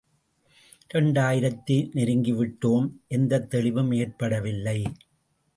இரண்டாயிரத்தை நெருங்கிவிட்டோம் எந்தத் தெளிவும் ஏற்படவில்லை.